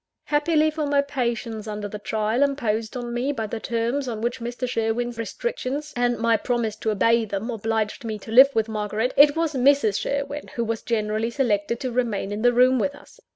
Happily for my patience under the trial imposed on me by the terms on which Mr. Sherwin's restrictions, and my promise to obey them, obliged me to live with Margaret, it was Mrs. Sherwin who was generally selected to remain in the room with us.